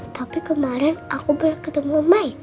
tapi kemarin aku bilang ketemu om baik